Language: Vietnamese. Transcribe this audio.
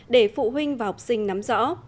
để phụ huynh và học sinh nắm rõ